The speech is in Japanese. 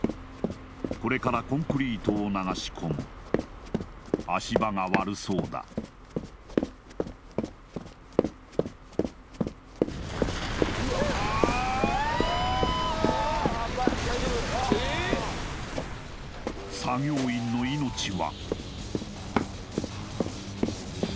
これからコンクリートを流し込む足場が悪そうだ作業員の命は？